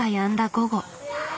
午後。